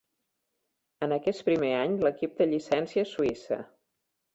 En aquest primer any l'equip té llicència suïssa.